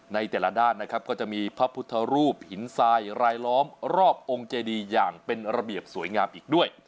ในแต่ละด้านนะครับก็จะมีพระพุทธรูปหินทรายรายล้อมรอบองค์เจดีอย่างเป็นระเบียบสวยงามอีกด้วย